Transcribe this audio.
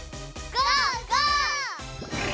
ゴー！